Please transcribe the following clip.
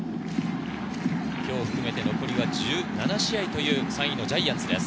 今日を含めて残り１７試合という３位ジャイアンツです。